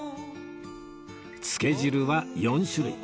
つけ汁は４種類